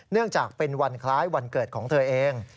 เนื่องจากเป็นวันคล้ายวันเกิดของเธอเอง